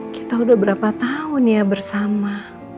kita udah berapa tahun ya bersama